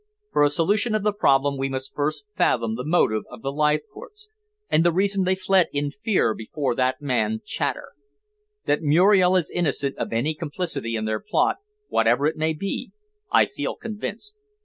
For a solution of the problem we must first fathom the motive of the Leithcourts and the reason they fled in fear before that fellow Chater. That Muriel is innocent of any complicity in their plot, whatever it may be, I feel convinced.